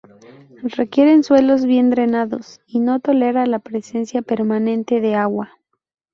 Requieren suelos bien drenados y no tolera la presencia permanente de agua.